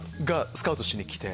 スカウトしにきて。